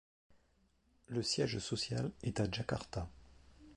Le siège social est à Jakarta.